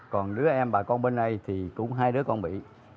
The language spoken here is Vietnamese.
còn đứa em bà con bên đây thì cũng hai đứa con bị